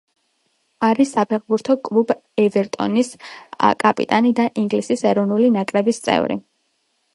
არის საფეხბურთო კლუბ „ევერტონის“ კაპიტანი და ინგლისის ეროვნული ნაკრების წევრი.